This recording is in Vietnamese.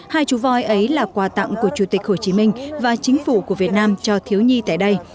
hai chú voi ấy là quà tặng của chủ tịch hồ chí minh và chính phủ của việt nam cho thiếu nhi tại đây